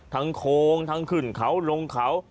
ทั้งโคงทั้งขึ้นเขาลงเขา